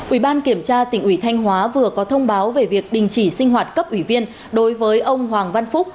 ủy ban kiểm tra tỉnh ủy thanh hóa vừa có thông báo về việc đình chỉ sinh hoạt cấp ủy viên đối với ông hoàng văn phúc